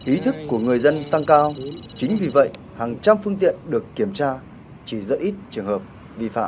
ý thức của người dân tăng cao chính vì vậy hàng trăm phương tiện được kiểm tra chỉ dẫn ít trường hợp vi phạm